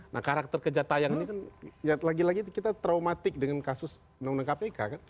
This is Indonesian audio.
nah karakter kejata yang ini kan lagi lagi kita traumatik dengan kasus undang undang kpk kan